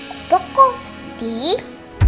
opah kok sedih